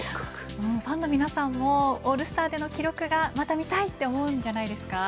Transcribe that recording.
ファンの皆さんもオールスターでの記録がまた見たいって思うんじゃないですか。